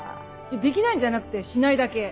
できないんじゃなくてしないだけ。